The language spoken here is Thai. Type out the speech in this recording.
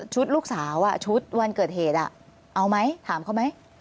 ลูกสาวชุดวันเกิดเหตุเอาไหมถามเขาไหม